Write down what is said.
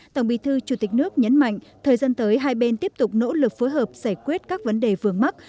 tổng bí thư chủ tịch nước thong lun si sulit nhấn mạnh thời gian tới hai bên tiếp tục nỗ lực phối hợp giải quyết các vấn đề vương mắc